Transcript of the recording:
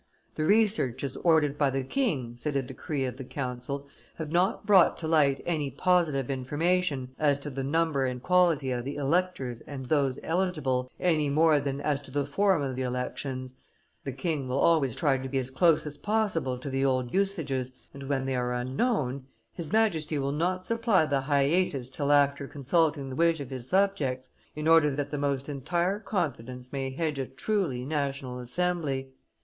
"The researches ordered by the king," said a decree of the council, "have not brought to light any positive information as to the number and quality of the electors and those eligible, any more than as to the form of the elections: the king will always try to be as close as possible to the old usages; and, when they are unknown, his Majesty will not supply the hiatus till after consulting the wish of his subjects, in order that the most entire confidence may hedge a truly national assembly.